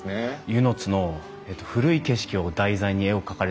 温泉津の古い景色を題材に絵を描かれてるじゃないですか。